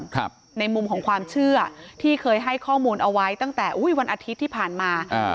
ครับในมุมของความเชื่อที่เคยให้ข้อมูลเอาไว้ตั้งแต่อุ้ยวันอาทิตย์ที่ผ่านมาอ่า